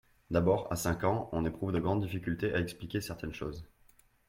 D'abord, a cinq ans, on éprouve de grandes difficultés à expliquer certaines choses.